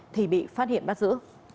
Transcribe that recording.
thì bị phát hiện bắt giữ